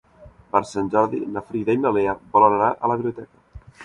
Per Sant Jordi na Frida i na Lea volen anar a la biblioteca.